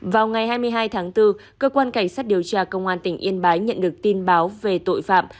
vào ngày hai mươi hai tháng bốn cơ quan cảnh sát điều tra công an tỉnh yên bái nhận được tin báo về tội phạm